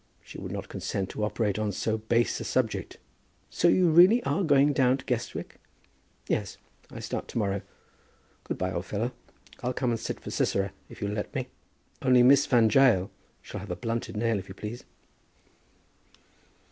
She would not consent to operate on so base a subject. So you really are going down to Guestwick?" "Yes; I start to morrow. Good by, old fellow. I'll come and sit for Sisera if you'll let me; only Miss Van Jael shall have a blunted nail, if you please."